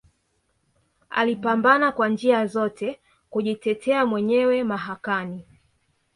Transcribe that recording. Alipambana kwa njia zote kujitetea mwenyewe mahakani